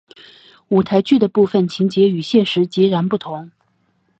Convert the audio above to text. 舞台剧的部分情节与现实截然不同。